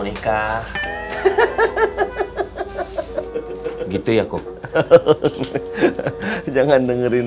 nikah itu gimana se teraz